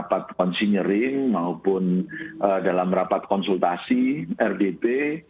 kepada kesehatan yang masih nyering maupun dalam rapat konsultasi rdp